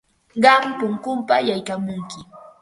Qam punkunpam yaykamunki.